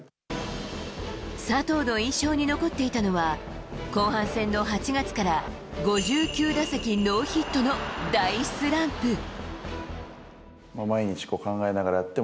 佐藤の印象に残っていたのは後半戦の８月から５９打席ノーヒットの大スランプ。